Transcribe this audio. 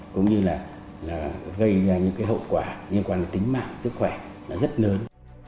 cũng như là gây ra những cái hậu quả liên quan đến tính mạng sức khỏe rất lớn